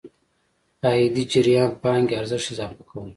عايدي جريان پانګې ارزښت اضافه کوو.